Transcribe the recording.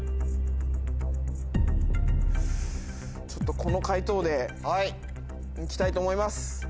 ちょっとこの解答でいきたいと思います。